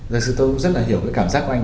thật sự tôi cũng rất là hiểu cảm giác của anh